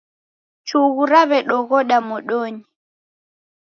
Chughu raw'edoghoda modonyi.